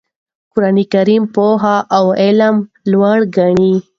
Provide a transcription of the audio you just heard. قرآن پوهه او علم لوړ ګڼي.